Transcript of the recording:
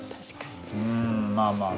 うんまあまあ。